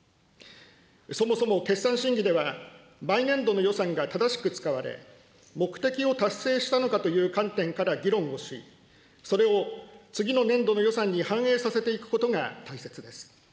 そもそも決算審議では、毎年度の予算が正しく使われ、目的を達成したのかという観点から議論をし、それを次の年度の予算に反映させていくことが大切です。